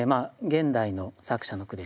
現代の作者の句でしたね。